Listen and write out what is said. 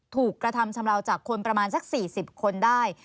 ถูกกระทำชำลาวจากคนประมาณสัก๔๐คนได้